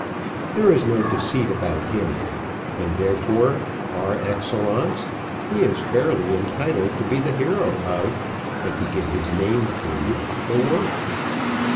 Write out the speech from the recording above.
There is no deceit about him, and therefore, par excellence, he is fairly entitled to be the hero of, and to give his name to, the work.